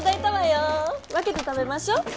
分けて食べましょ。